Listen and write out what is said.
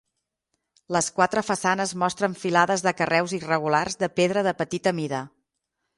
Les quatre façanes mostren filades de carreus irregulars de pedra de petita mida.